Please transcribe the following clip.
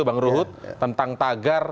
bang ruhut tentang tagar